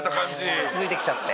もう落ち着いてきちゃって。